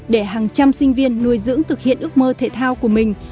để hàng trăm sinh viên nuôi dưỡng thực hiện ước mơ thể thao của mình